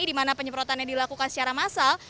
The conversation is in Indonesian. di mana penyemprotannya dilakukan secara massal